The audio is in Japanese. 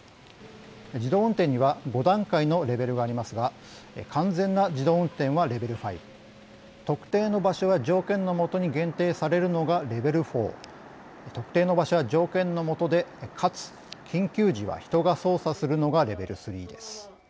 自動運転には５段階のレベルがありますが完全な自動運転はレベル５特定の場所や条件の下に限定されるのがレベル４特定の場所や条件の下でかつ、緊急時は人が操作するのがレベル３です。